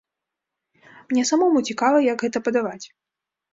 Мне самому цікава, як гэта падаваць.